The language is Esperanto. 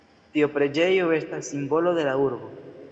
Tiu preĝejo estas simbolo de la urbo.